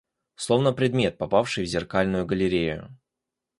словно предмет, попавший в зеркальную галерею